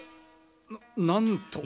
ななんと。